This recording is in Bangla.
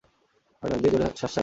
আর নাক দিয়ে জোরে শ্বাস ছাড়ুন।